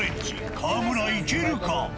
川村、いけるか？